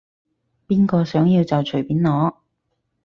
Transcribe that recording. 邊個想要就隨便攞